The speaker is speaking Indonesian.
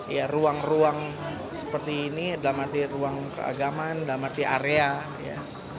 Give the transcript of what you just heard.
ya ruang ruang seperti ini dalam arti ruang keagaman dalam arti area ya